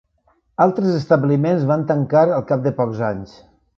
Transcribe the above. Altres establiments van tancar al cap de pocs anys.